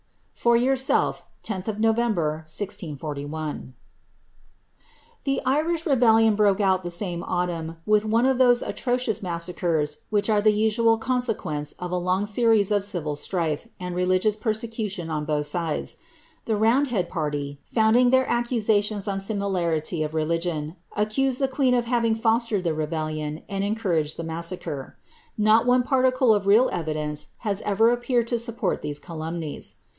For your selfe, "lOih Nov. 1641." The Irish rebellion broke out the same autumn, with one of those atrocious massacres which are the usual consequence of a long series of civil strife and religious persecution on both sides. The roundhead party, founding their accusations on similarity of religion, accused the queen of having fostered the rebellion and encouraged the massacre: not one particle of real evidence has ever appeared to support these calumnies.'